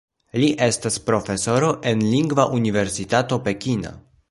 Li estas profesoro en Lingva Universitato Pekina.